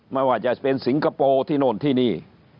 ไม่ว่าจะเป็นสิงคโปร์ที่โน่นที่นี่